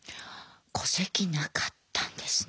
戸籍なかったんですね。